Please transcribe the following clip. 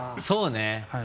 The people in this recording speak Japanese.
そうね。